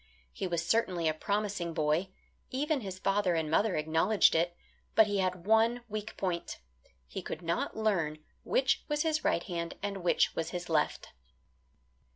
He was certainly a promising boy, even his father and mother acknowledged it, but he had one weak point he could not learn which was his right hand and which was his left.